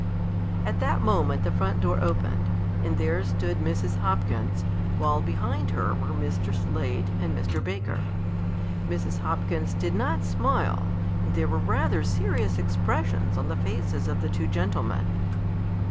At that moment the front door opened, and there stood Mrs. Hopkins, while behind her were Mr. Slade and Mr. Baker. Mrs. Hopkins did not smile, and there were rather serious expressions on the faces of the two gentlemen.